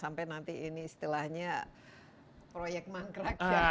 sampai nanti ini istilahnya proyek mangkrak